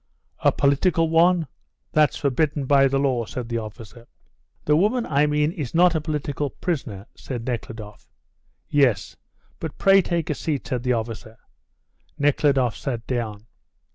"A political one? That's forbidden by the law," said the officer. "The woman I mean is not a political prisoner," said Nekhludoff. "Yes. But pray take a scat," said the officer. Nekhludoff sat down.